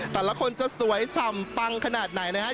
แต่ละคนจะสวยฉ่ำปังขนาดไหนนะครับ